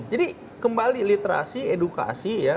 jadi kembali literasi edukasi ya